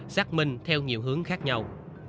xác minh theo nhiều hướng khác nhau